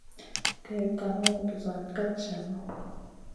Kèwn kànu, buzuwan ka jaŋa.